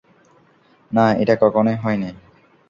না, এটা কখনোই হয়নি।